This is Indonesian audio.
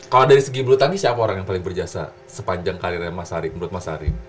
kalau dari segi bulu tangis siapa orang yang paling berjasa sepanjang karirnya mas sari